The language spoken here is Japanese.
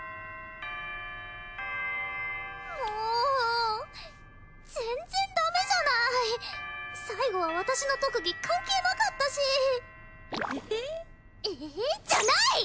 もう全然ダメじゃない最後は私の特技関係なかったしえへへ「えへへ」じゃない！